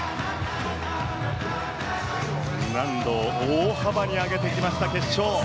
難度を大幅に上げてきました、決勝。